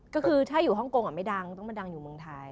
ก็คือถ้าอยู่ฮ่องกงไม่ดังต้องมาดังอยู่เมืองไทย